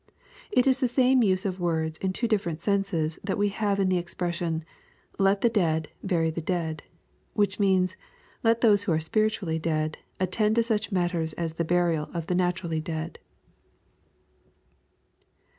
It is the same use of words in two different senses that we have in the expression, " let the dead bury the dead," which means, "let those who are spiritually dead, attend to such matters as the burial of the naturally dead."